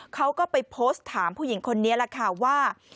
เขาก็ไปโพสต์ถามผู้หญิงคนนี้แหละค่ะว่า